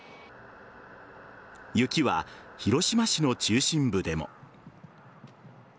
雪は広島市の中心部でも。